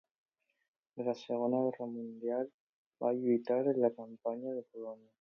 Durant la Segona Guerra Mundial va lluitar en la Campanya de Polònia.